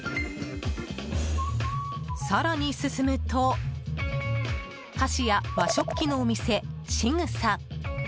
更に進むと箸や和食器のお店、シグサ。